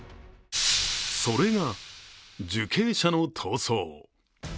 それが受刑者の逃走。